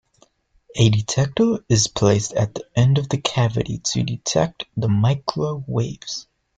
A detector is placed at the end of the cavity to detect the microwaves.